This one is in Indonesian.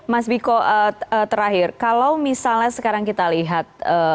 mas biko terakhir kalau misalnya sekarang kita lihat